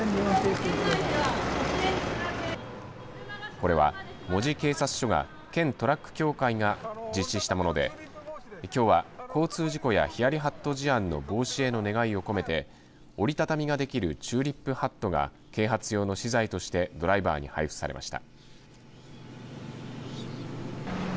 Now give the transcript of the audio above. これは門司警察署や県トラック協会が実施したものできょうは交通安全やヒヤリ・ハット事案の防止への願いを込めて折り畳みができるチューリップハットが啓発用の資材としてドライバーに配布されました。